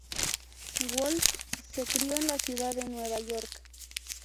Wolf se crio en la ciudad de Nueva York.